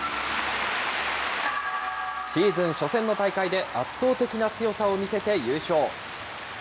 シーズン初戦の大会で、圧倒的な強さを見せて優勝。